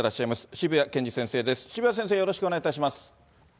渋谷先生、よろしくお願いいたします。